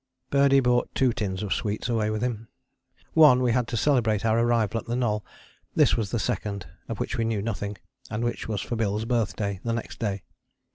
Birdie brought two tins of sweets away with him. One we had to celebrate our arrival at the Knoll: this was the second, of which we knew nothing, and which was for Bill's birthday, the next day.